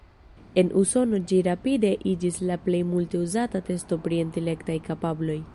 En Usono ĝi rapide iĝis la plej multe uzata testo pri intelektaj kapabloj.